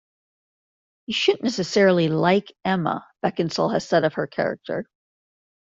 "You shouldn't necessarily like Emma," Beckinsale has said of her character.